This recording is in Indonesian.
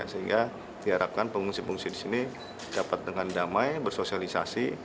sehingga diharapkan pengungsi pengungsi di sini dapat dengan damai bersosialisasi